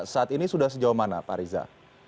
saat ini sudah sejauh mana pak riza